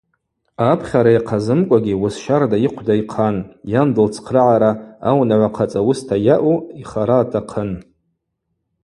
Апхьара йахъазымкӏвагьи уыс щарда йыхъвда йхъан: йан дылцхърагӏара, аунагӏва хъацӏа уыста йаъу йхара атахъын.